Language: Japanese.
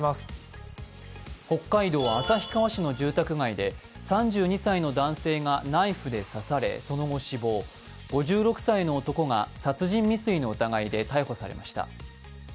北海道旭川市の住宅街で３２歳の男性がナイフで刺されその後、死亡、５６歳の男が殺人未遂の疑いで逮捕されました。